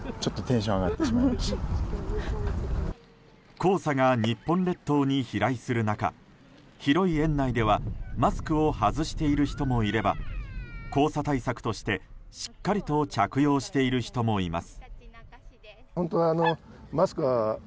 黄砂が日本列島に飛来する中広い園内ではマスクを外している人もいれば黄砂対策として、しっかりと着用している人もいます。